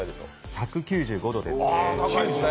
１９５度ですね。